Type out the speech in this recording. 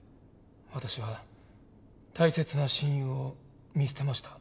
私は大切な親友を見捨てました。